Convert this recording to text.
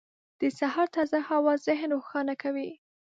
• د سهار تازه هوا ذهن روښانه کوي.